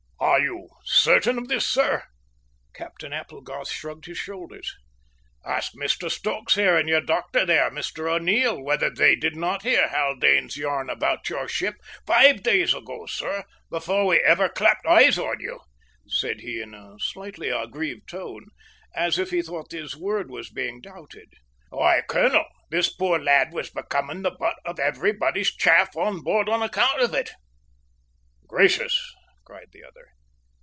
"Are you certain of this, sir?" Captain Applegarth shrugged his shoulders. "Ask Mr Stokes here and your doctor there, Mr O'Neil, whether they did not hear Haldane's yarn about your ship five days ago, sir, before we ever clapped eyes on you," said he in a slightly aggrieved tone, as if he thought his word was being doubted. "Why, colonel, this poor lad was becoming the butt for everybody's chaff on board on account of it!" "Gracious!" cried the other.